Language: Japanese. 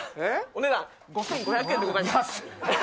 お値段５，５００円でございます。